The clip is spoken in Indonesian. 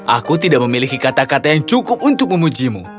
aku tidak memiliki kata kata yang cukup untuk memujimu